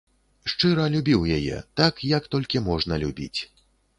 Шчыра любіў яе, так, як толькі можна любіць.